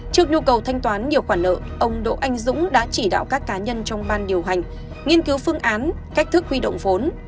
trước nhu cầu thanh toán nhiều khoản nợ ông đỗ anh dũng đã chỉ đạo các cá nhân trong ban điều hành nghiên cứu phương án cách thức huy động vốn